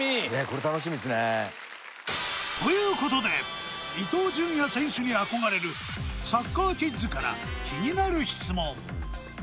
これ楽しみですねということで伊東純也選手に憧れるサッカーキッズから気になる質問